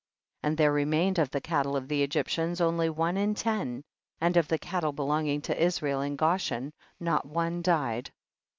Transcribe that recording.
And there remained of the cattle of the Egyptians only one in ten, and of the cattle belonging to Israel in Goshen not one died.